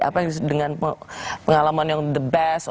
apa yang disebut dengan pengalaman yang the best